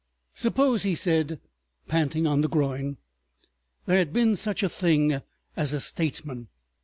"Suppose," he said, panting on the groin, "there had been such a thing as a statesman!